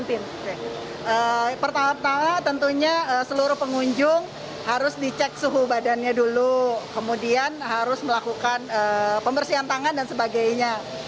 pertama tama tentunya seluruh pengunjung harus dicek suhu badannya dulu kemudian harus melakukan pembersihan tangan dan sebagainya